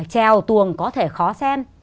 trèo tuồng có thể khó xem